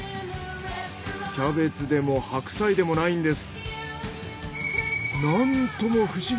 キャベツでも白菜でもないんです。